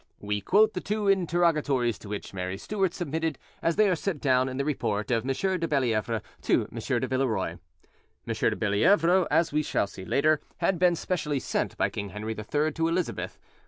We quote the two interrogatories to which Mary Stuart submitted as they are set down in the report of M. de Bellievre to M. de Villeroy. M. de Bellievre, as we shall see later, had been specially sent by King Henry III to Elizabeth.